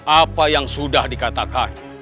apa yang sudah dikatakan